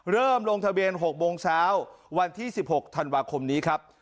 ลงทะเบียน๖โมงเช้าวันที่๑๖ธันวาคมนี้ครับ